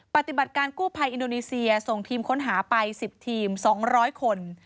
ปฏิบัติการกู้ภัยอินโดนีเซียส่งทีมค้นหาไป๑๐ทีม๒๐๐คน